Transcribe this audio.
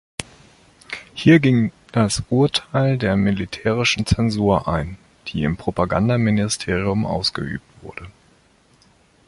Hier ging das Urteil der militärischen Zensur ein, die im Propagandaministerium ausgeübt wurde.